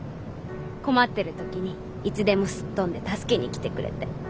困ってる時にいつでもすっ飛んで助けに来てくれて。